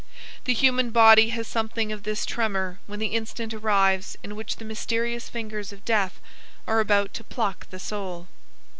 The human body has something of this tremor when the instant arrives in which the mysterious fingers of Death are about to pluck the soul.